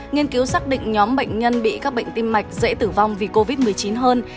nghiên cứu xác định nhóm bệnh nhân bị các bệnh tim mạch dễ tử vong vì covid một mươi chín hơn